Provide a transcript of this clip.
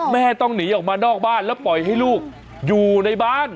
แม่ต้องหนีออกมานอกบ้านแล้วปล่อยให้ลูกอยู่ในบ้าน